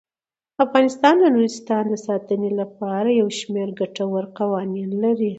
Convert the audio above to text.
افغانستان د نورستان د ساتنې لپاره یو شمیر ګټور قوانین لري.